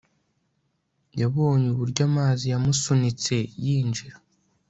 yabonye uburyo amazi yamusunitse yinjira